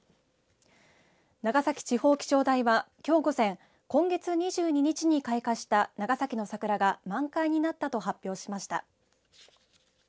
長崎地方気象台は、きょう午前今月２２日に開花した長崎の桜が満開になったと発表しました。